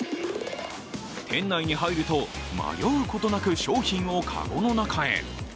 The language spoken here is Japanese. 店内に入ると迷うことなく商品をかごの中へ。